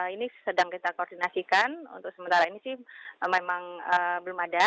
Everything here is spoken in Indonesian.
ini sedang kita koordinasikan untuk sementara ini sih memang belum ada